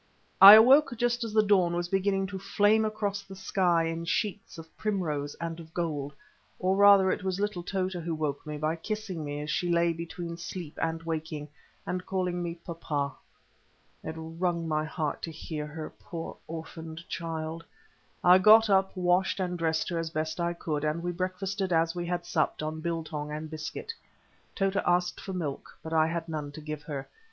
I awoke just as the dawn was beginning to flame across the sky in sheets of primrose and of gold, or rather it was little Tota who woke me by kissing me as she lay between sleep and waking, and calling me "papa." It wrung my heart to hear her, poor orphaned child. I got up, washed and dressed her as best I could, and we breakfasted as we had supped, on biltong and biscuit. Tota asked for milk, but I had none to give her.